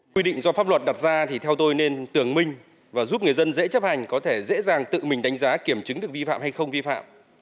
quy định do pháp luật đặt ra thì theo tôi nên tưởng minh và giúp người dân dễ chấp hành có thể dễ dàng tự mình đánh giá kiểm chứng được vi phạm hay không vi phạm